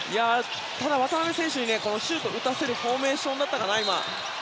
ただ、渡邊選手にシュートを打たせるフォーメーションだったかな今。